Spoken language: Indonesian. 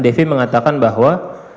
devi mengatakan bahwa